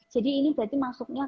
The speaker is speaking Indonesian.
jadi ini berarti masuknya